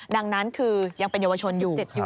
ดังนั้นคือยังเป็นเยาวชนอยู่